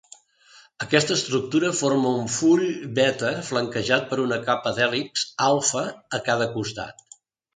Aquesta estructura forma un full beta flanquejat per una capa d'hèlixs alfa a cada costat.